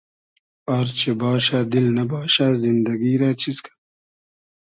آر چی باشۂ دیل نئباشۂ زیندئگی رۂ چیز کئنوم